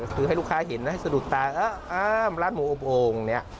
คือให้ลูกค้าเห็นให้สะดุดตาอ้ามร้านหมูอบโอ่งเนี่ย